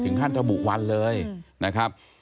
ขั้นระบุวันเลยนะครับ